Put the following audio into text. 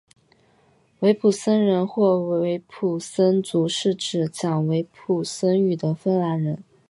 维普森人或维普森族是指讲维普森语的芬兰人。